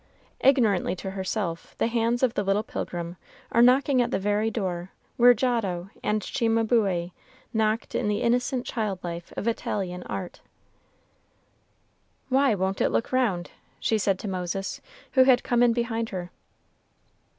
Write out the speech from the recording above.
Ignorantly to herself, the hands of the little pilgrim are knocking at the very door where Giotto and Cimabue knocked in the innocent child life of Italian art. "Why won't it look round?" she said to Moses, who had come in behind her.